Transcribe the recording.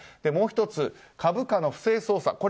もう１つ、株価の不正操作。